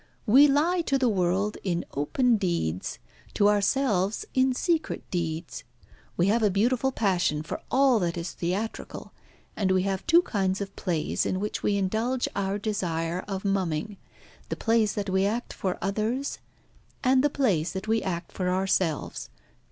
We lie to the world in open deeds, to ourselves in secret deeds. We have a beautiful passion for all that is theatrical, and we have two kinds of plays in which we indulge our desire of mumming, the plays that we act for others, and the plays that we act for ourselves.